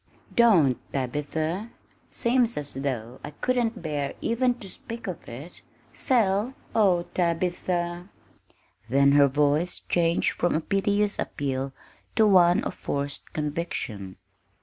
"Don't, Tabitha! Seems as though I couldn't bear even to speak of it. Sell? oh, Tabitha!" Then her voice changed from a piteous appeal to one of forced conviction.